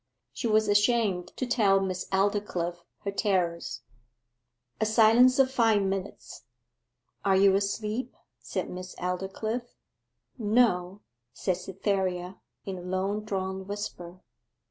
She was ashamed to tell Miss Aldclyffe her terrors. A silence of five minutes. 'Are you asleep?' said Miss Aldclyffe. 'No,' said Cytherea, in a long drawn whisper.